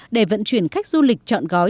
để vận chuyển khách du lịch trọn gói